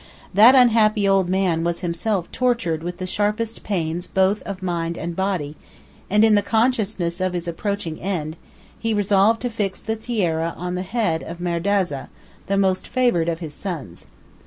That unhappy old man was himself tortured with the sharpest pains both of mind and body; and, in the consciousness of his approaching end, he resolved to fix the tiara on the head of Merdaza, the most favored of his sons.